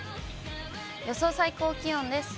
予想最高気温です。